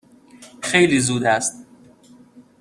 خیلی زود است.